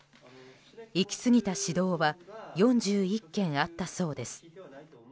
行き過ぎた指導は４１件あったそうです。